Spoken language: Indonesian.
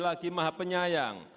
lagi mah penyayang